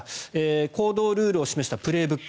行動ルールを示した「プレーブック」